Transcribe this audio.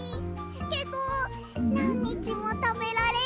けどなんにちもたべられるのもいい！